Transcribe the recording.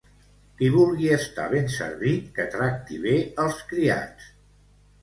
Qui vulgui estar ben servit, que tracti bé els criats.